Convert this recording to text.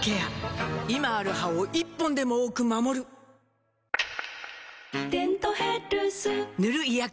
今ある歯を１本でも多く守る「デントヘルス」塗る医薬品も